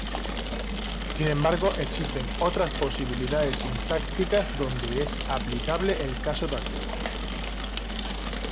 Sin embargo, existen otras posibilidades sintácticas donde es aplicable el caso dativo.